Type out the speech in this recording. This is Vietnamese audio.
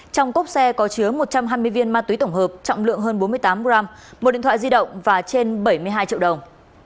trong cốp xe có chứa một trăm hai mươi viên ma túy tổng hợp trọng lượng hơn bốn mươi tám g một điện thoại di động và trên bảy mươi hai triệu đồng